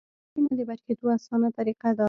د دې نه د بچ کېدو اسانه طريقه دا ده -